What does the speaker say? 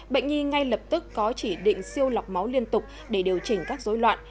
bệnh nhi ngay lập tức có chỉ định siêu lọc máu liên tục để điều chỉnh các dối loạn